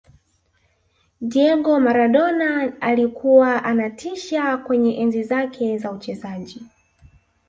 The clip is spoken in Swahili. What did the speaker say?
diego maradona alikuwa anatisha kwenye enzi zake za uchezaji